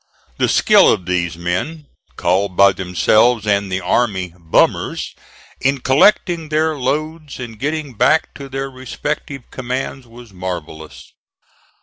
The skill of these men, called by themselves and the army "bummers," in collecting their loads and getting back to their respective commands, was marvellous.